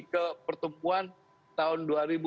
ke pertumbuhan tahun dua ribu empat belas